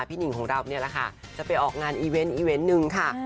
พี่หนิ่งของเรานี่แหละค่ะจะไปออกงานอีเวนต์หนึ่งค่ะ